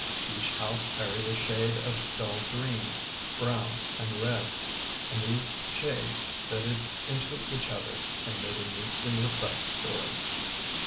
Each house carried a shade of dull green, brown and red, and these shades fitted into each other and made a meekly repressed story.